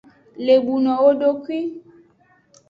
Lebuno wodokwi.